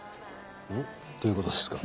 うん？どういうことですか？